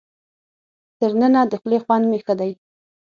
تر ننه د خولې خوند مې ښه دی.